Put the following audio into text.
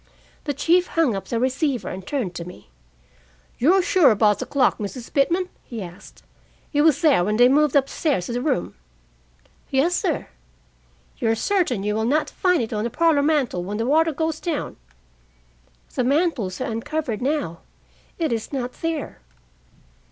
The chief hung up the receiver and turned to me. "You are sure about the clock, Mrs. Pitman?" he asked. "It was there when they moved up stairs to the room?" "Yes, sir." "You are certain you will not find it on the parlor mantel when the water goes down?" "The mantels are uncovered now. It is not there."